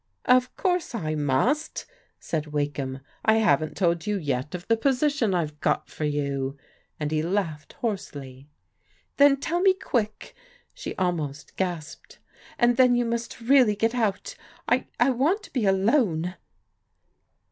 " Of course I must," said Wakeham. " I haven't toM you yet of the position I've got for you," and he laughed hoarsely. "Then tell me quick!" she almost gasped. "And then you must really get out. I — I want to be alone."